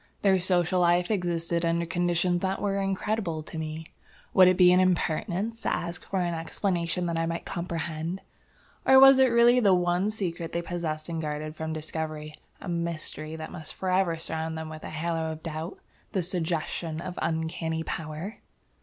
Their social life existed under conditions that were incredible to me. Would it be an impertinence to ask for an explanation that I might comprehend? Or was it really the one secret they possessed and guarded from discovery, a mystery that must forever surround them with a halo of doubt, the suggestion of uncanny power?